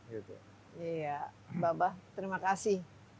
iya bapak terima kasih